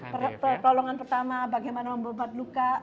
pertolongan pertama bagaimana membuat luka